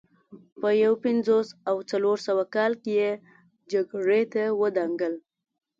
په یو پنځوس او څلور سوه کال کې یې جګړې ته ودانګل